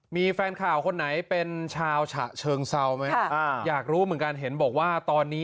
มีแฟนข่าวคนไหนเป็นชาวฉะเชิงเซาไหมอยากรู้เหมือนกันเห็นบอกว่าตอนนี้